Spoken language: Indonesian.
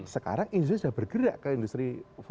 sekarang industri sudah bergerak ke industri empat